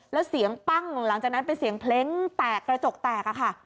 แล้วเสียงปั้งหลังจากนั้นเป็นเสียงเพลงแตกกระจกแตกอะค่ะ